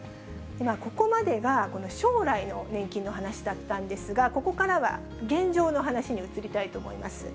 ここまでは、この将来の年金の話だったんですが、ここからは現状の話に移りたいと思います。